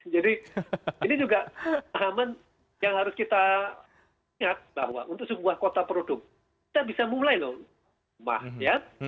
jadi ini juga pahaman yang harus kita ingat bahwa untuk sebuah kota produk kita bisa mulai loh rumah ya